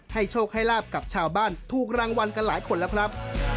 โชคให้ลาบกับชาวบ้านถูกรางวัลกันหลายคนแล้วครับ